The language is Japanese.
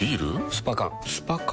スパ缶スパ缶？